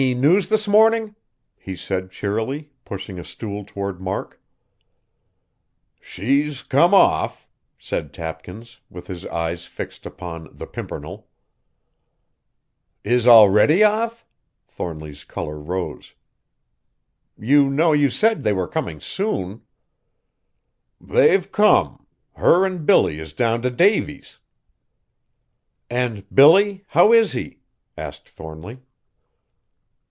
"Any news this morning?" he said cheerily, pushing a stool toward Mark. "She's come off," said Tapkins with his eyes fixed upon "The Pimpernel." "Is already off?" Thornly's color rose. "You know you said they were coming soon." "They've come! Her an' Billy is down t' Davy's." "And Billy, how is he?" asked Thornly.